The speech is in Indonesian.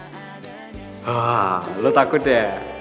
wah lo takut ya